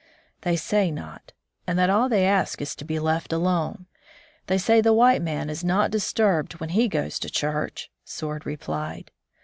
''They say not, and that all they ask is to be let alone. They say the white man is not disturbed when he goes to church," Sword replied.